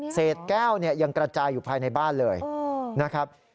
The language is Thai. เศษแก้วเนี่ยยังกระจายอยู่ภายในบ้านเลยนะครับ